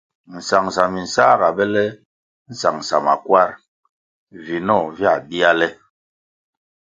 Nsangʼsa minsā ga bele nsangʼsa makwar, vinoh via dia le.